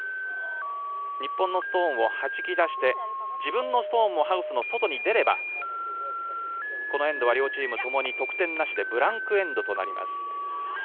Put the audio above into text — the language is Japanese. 日本のストーンをはじき出して自分のストーンもハウスの外に出ればこのエンドは両チームともに得点なしでブランク・エンドとなります。